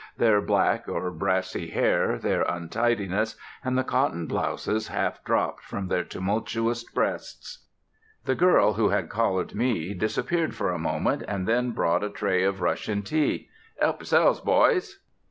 their black or brassy hair, their untidiness, and the cotton blouses half dropped from their tumultuous breasts.... The girl who had collared me disappeared for a moment, and then brought a tray of Russian tea. "Help 'selves, boys!"